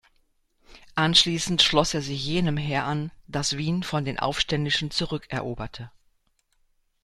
Anschließend schloss er sich jenem Heer an, das Wien von den Aufständischen zurückeroberte.